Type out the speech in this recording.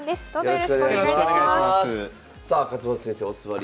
よろしくお願いします。